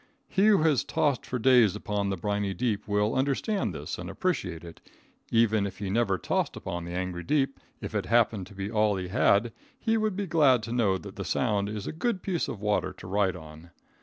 He who has tossed for days upon the briny deep, will understand this and appreciate it; even if he never tossed upon the angry deep, if it happened to be all he had, he will be glad to know that the Sound is a good piece of water to ride on.